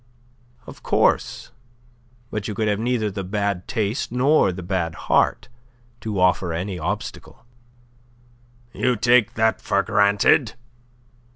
"Of course. But you could have neither the bad taste nor the bad heart to offer any obstacle." "You take that for granted?